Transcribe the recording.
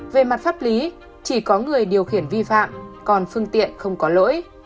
về mặt pháp lý chỉ có người điều khiển vi phạm còn phương tiện không có lỗi